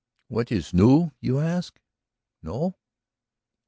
"What is new, you ask? No?